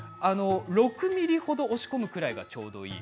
６ｍｍ程押し込むくらいがちょうどいい。